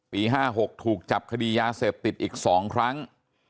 ๕๖ถูกจับคดียาเสพติดอีก๒ครั้ง